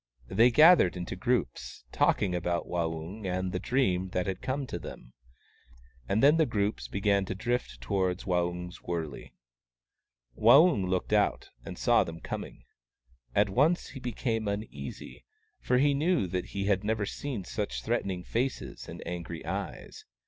They gathered into groups, talking about Waung and about the dream that had come to them ; and then the groups began to drift towards Waung's wurley. Waung looked out, and saw them coming. At once he became uneasy, for he knew that he had never seen such threatening faces and angry eyes.